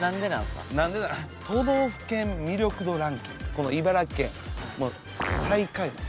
この茨城県最下位。